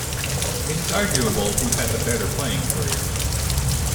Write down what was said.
It is arguable who had the better playing career.